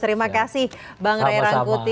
terima kasih bang ray rangkuti